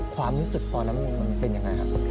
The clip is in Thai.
ความรู้สึกตอนนั้นมันเป็นยังไงครับ